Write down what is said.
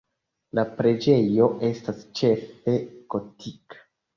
La preĝejo estas ĉefe gotika.